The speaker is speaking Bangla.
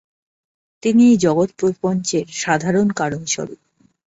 তিনিই এই জগৎপ্রপঞ্চের সাধারণ কারণস্বরূপ।